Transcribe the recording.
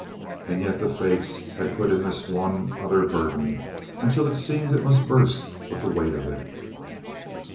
And yet the fates had put in this one other burden until it seemed it must burst with the weight of it.